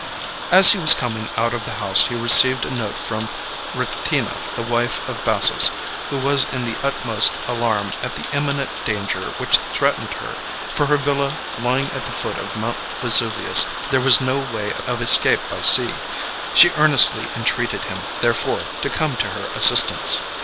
As he was coming out of the house he received a note from Rectina, the wife of Bassus, who was in the utmost alarm at the imminent danger which threatened her, for her villa lying at the foot of Mount Vesuvius, there was no way of escape by sea; she earnestly entreated him, therefore, to come to her assistance.